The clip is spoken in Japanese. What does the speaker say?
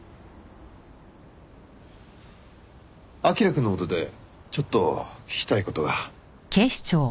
彬くんの事でちょっと聞きたい事が。